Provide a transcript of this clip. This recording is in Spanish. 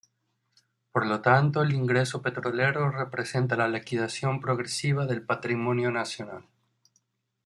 Por lo tanto, el ingreso petrolero representa la liquidación progresiva del patrimonio nacional.